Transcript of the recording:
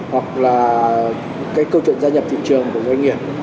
hoặc là cái câu chuyện gia nhập thị trường của doanh nghiệp